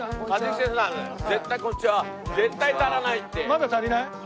まだ足りない？